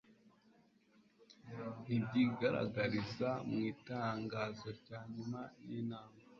ntibyigaragariza mu itangazo rya nyuma ry'inama